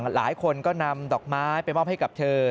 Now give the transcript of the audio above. หลายคนก็นำดอกไม้ไปมอบให้กับเธอ